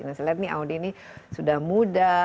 nah saya lihat nih audi ini sudah muda